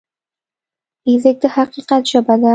فزیک د حقیقت ژبه ده.